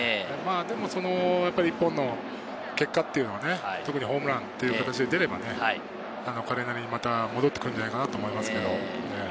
でも、やっぱり一本の結果っていうのは、特にホームランという形で出ればね、彼なりにまた戻ってくるんじゃないかなと思いますけど。